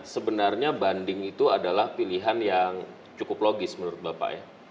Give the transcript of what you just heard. dan sebenarnya banding itu adalah pilihan yang cukup logis menurut bapak ya